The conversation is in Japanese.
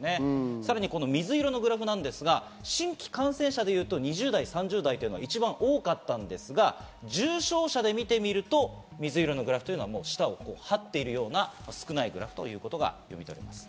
さらに水色のグラフ、新規感染者でいうと２０代、３０代というのは一番多かったんですが重症者で見てみると、水色のグラフはもう下を這っているような少ないグラフということが読み取れます。